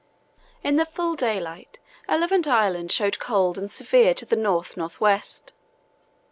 In the full daylight Elephant Island showed cold and severe to the north north west.